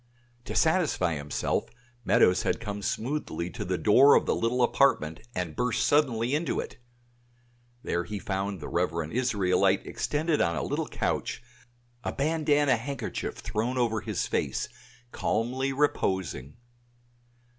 To satisfy himself, Meadows had come smoothly to the door of the little apartment, and burst suddenly into it. There he found the reverend Israelite extended on a little couch, a bandana handkerchief thrown over his face, calmly reposing.